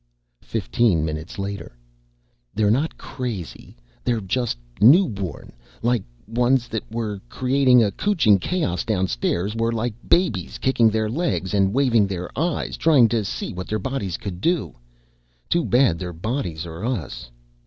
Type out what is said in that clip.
Fifteen minutes later: "They're not crazy, they're just newborn. The ones that were creating a cootching chaos downstairs were like babies kickin' their legs and wavin' their eyes, tryin' to see what their bodies could do. Too bad their bodies are us."